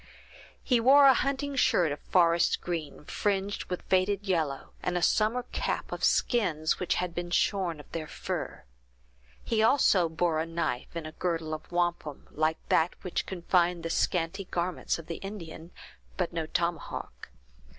He wore a hunting shirt of forest green, fringed with faded yellow, and a summer cap of skins which had been shorn of their fur. He also bore a knife in a girdle of wampum, like that which confined the scanty garments of the Indian, but no tomahawk.